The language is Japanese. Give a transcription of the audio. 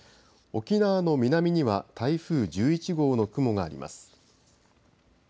沖縄の南には台風１１号の雲があります。